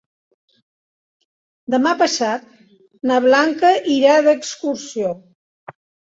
Demà passat na Blanca irà d'excursió.